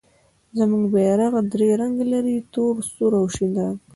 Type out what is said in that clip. زموږ بیرغ درې رنګه لري، تور، سور او شین رنګ.